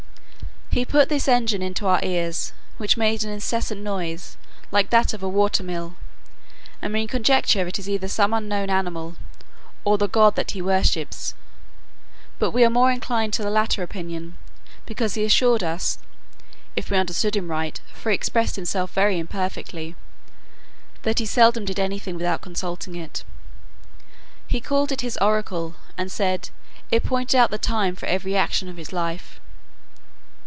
He put this engine into our ears, which made an incessant noise, like that of a water mill: and we conjecture it is either some unknown animal, or the god that he worships; but we are more inclined to the latter opinion, because he assured us, (if we understood him right, for he expressed himself very imperfectly) that he seldom did any thing without consulting it. He called it his oracle, and said, it pointed out the time for every action of his life.